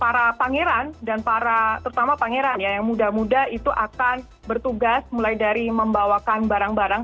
para pangeran dan para terutama pangeran ya yang muda muda itu akan bertugas mulai dari membawakan barang barang